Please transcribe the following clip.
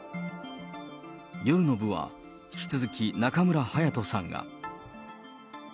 夜の部は引き続き中村隼人さんが。